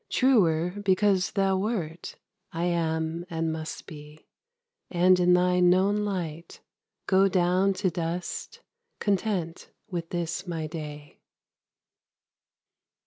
Truer because thou wert, I am and must be; and in thy known light Go down to dust, content with this my day.